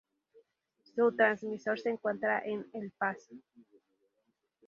Su transmisor se encuentra en El Paso.